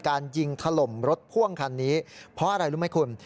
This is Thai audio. การยิงถล่มรถพ่วงคันนี้เพราะอะไรรู้ไหมคุณ